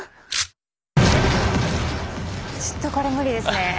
ちょっとこれ無理ですね。